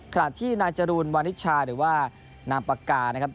ขณะที่นายจรูนวานิชาหรือว่านามปากกานะครับ